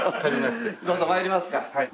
どうぞ参りますか。